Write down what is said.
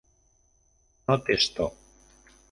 No testó.